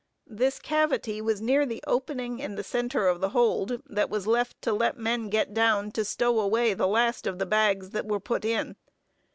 This cavity was near the opening in the centre of the hold, that was left to let men get down, to stow away the last of the bags that were put in.